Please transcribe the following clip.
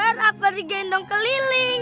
atau digendong keliling